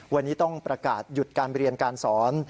วันนี้ต้องประกาศหยุดการเรียนการสอน